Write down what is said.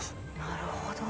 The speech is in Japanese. なるほど。